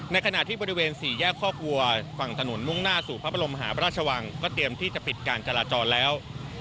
ขณะที่บริเวณสี่แยกคอกวัวฝั่งถนนมุ่งหน้าสู่พระบรมหาพระราชวังก็เตรียมที่จะปิดการจราจรแล้ว